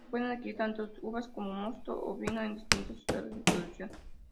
Pueden adquirir tanto uvas, como mosto o vino en distintos estados de producción.